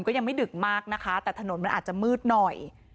ก็ยังไม่ดึกมากนะคะแต่ถนนมันอาจจะมืดหน่อย